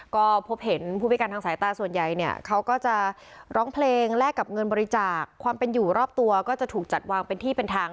ก็พบเห็นผู้พิการทางสายตาส่วนใหญ่เนี่ยเขาก็จะร้องเพลงแลกกับเงินบริจาคความเป็นอยู่รอบตัวก็จะถูกจัดวางเป็นที่เป็นทาง